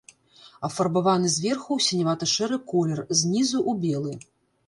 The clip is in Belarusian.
Афарбаваны зверху ў сінявата-шэры колер, знізу ў белы.